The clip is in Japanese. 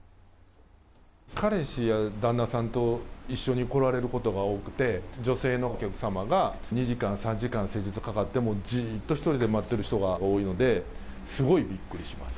彼氏や旦那さんと一緒に来られることが多くて、女性のお客様が２時間、３時間施術かかってもじーっと１人で待っている人が多いので、すごいびっくりします。